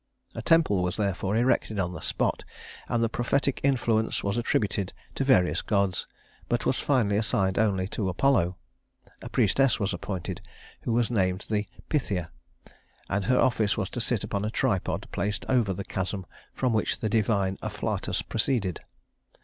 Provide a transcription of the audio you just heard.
A temple was therefore erected on the spot, and the prophetic influence was attributed to various gods, but was finally assigned only to Apollo. A priestess was appointed who was named the Pythia, and her office was to sit upon a tripod placed over the chasm from which the divine afflatus proceeded.